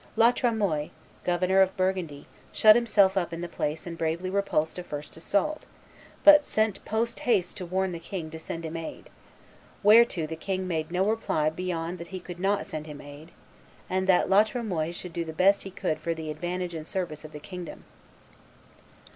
La Tremoille, governor of Burgundy, shut himself up in the place and bravely repulsed a first assault, but "sent post haste to warn the king to send him aid; whereto the king made no reply beyond that he could not send him aid, and that La Tremoille should do the best he could for the advantage and service of the kingdom."